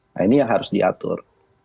nah ini yang harus diatur